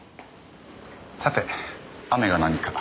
さて雨が何か？